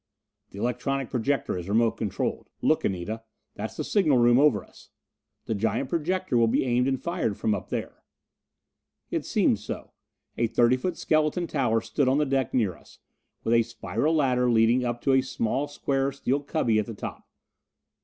"That electronic projector is remote controlled. Look, Anita that's the signal room over us. The giant projector will be aimed and fired from up there." It seemed so. A thirty foot skeleton tower stood on the deck near us, with a spiral ladder leading up to a small square steel cubby at the top.